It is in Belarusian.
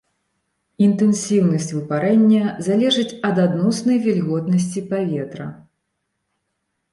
Інтэнсіўнасць выпарэння залежыць ад адноснай вільготнасці паветра.